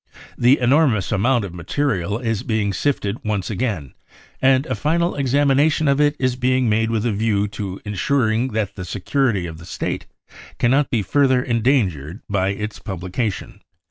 The enormous amount of material is being sifted once again and a final examination of it is being* made with a view to ensuring that the security of the State cannot be further endangered by its publication."